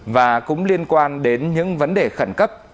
và cũng liên quan đến những vấn đề khẩn cấp